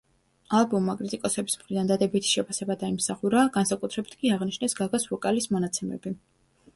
ალბომმა კრიტიკოსების მხრიდან დადებითი შეფასება დაიმსახურა, განსაკუთრებით კი აღნიშნეს გაგას ვოკალის მონაცემები.